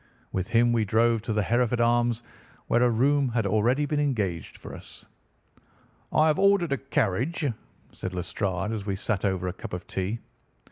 With him we drove to the Hereford Arms where a room had already been engaged for us. "I have ordered a carriage," said Lestrade as we sat over a cup of tea.